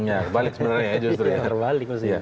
ya kebalik sebenarnya justru ya